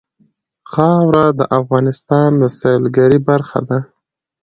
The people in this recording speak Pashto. خاوره د افغانستان د سیلګرۍ برخه ده.